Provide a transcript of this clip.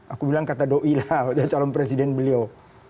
aku bilang kata doi lah itu calon presiden beliau